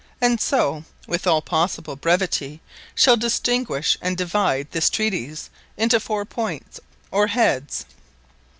And so, with all possible brevity, shall distinguish and divide this Treatise into foure poynts, or Heads.